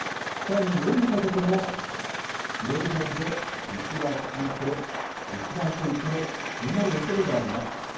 さらに夜にかけても広い範囲で雪は続いて一段と雪の強まるおそれがあります。